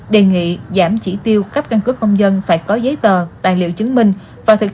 đề nghị giảm chỉ tiêu cấp căn cước công dân phải có giấy tờ tài liệu chứng minh và thực